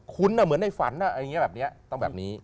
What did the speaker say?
คุณเหมือนในฝันอะไรอย่างนี้แบบนี้ต้องแบบนี้